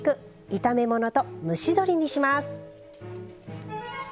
炒め物と蒸し鶏にします。